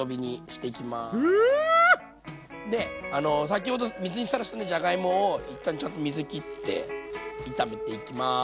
先ほど水にさらしたじゃがいもを一旦ちょっと水きって炒めていきます。